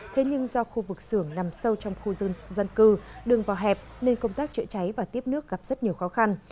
thế nhưng do khu vực xưởng nằm sâu trong khu dân cư đường vào hẹp nên công tác chữa cháy và tiếp nước gặp rất nhiều khó khăn